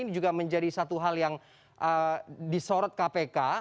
ini juga menjadi satu hal yang disorot kpk